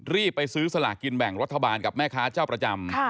ไปซื้อสลากกินแบ่งรัฐบาลกับแม่ค้าเจ้าประจำ